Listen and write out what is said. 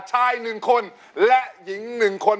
ชาย๑คนและหญิง๑คน